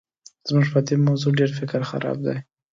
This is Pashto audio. زموږ په دې موضوع ډېر فکر خراب دی.